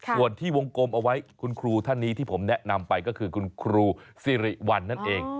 ส่วนที่วงกลมเอาไว้คุณครูท่านนี้ที่ผมแนะนำไปก็คือคุณครูสิริวัลนั่นเอง